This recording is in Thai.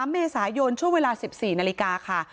๓เมษายนช่วงเวลา๑๔นาฬิกาค่ะ